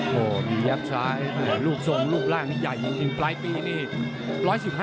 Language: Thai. โหมีแยบสายลูกทรงลูกร่างใหญ่จริงปลายปีนี่